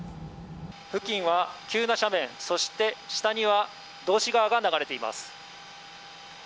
付近は、急な斜面そして下には道志川が流れています。